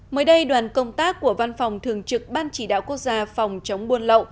mới đây đoàn công tác của văn phòng thường trực ban chỉ đạo quốc gia phòng chống buôn lậu